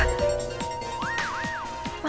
dan ceritain semuanya ke papa